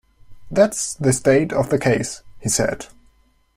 "That's the state of the case," he said.